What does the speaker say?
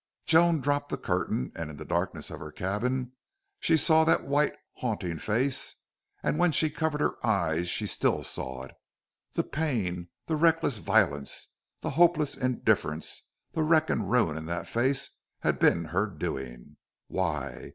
Joan dropped the curtain, and in the darkness of her cabin she saw that white, haunting face, and when she covered her eyes she still saw it. The pain, the reckless violence, the hopeless indifference, the wreck and ruin in that face had been her doing. Why?